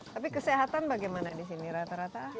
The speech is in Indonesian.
tapi kesehatan bagaimana di sini rata rata